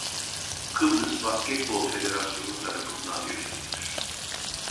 Kıbrıs Basketbol Federasyonu tarafından yönetilir.